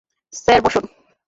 Sir, বসুন।